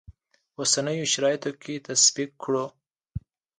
اوسنیو شرایطو کې تطبیق کړو.